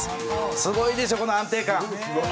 すごいでしょ、この安定感。